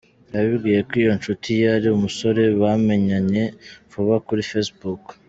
Yambwiye ko iyo nshuti ye ari umusore bamenyanye vuba kuri facebook.